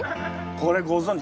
これご存じ。